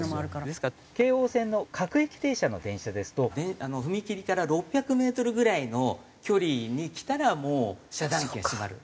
ですから京王線の各駅停車の電車ですと踏切から６００メートルぐらいの距離に来たらもう遮断機が閉まる。